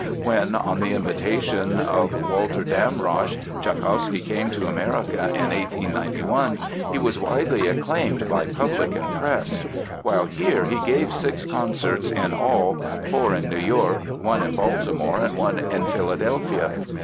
When, on the invitation of Walter Damrosch, Tschaikowsky came to America in 1891, he was widely acclaimed by public and press. While here he gave six concerts in all, four in New York, one in Baltimore and one in Philadelphia.